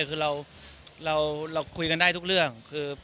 คือเราคุยกันได้ทุกเรื่องคือ